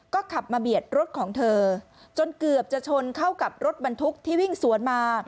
ก็ขับมาเบียดรถของเธอจนเกือบจะชนเข้ากับรถบรรทุกที่วิ่งสวนมา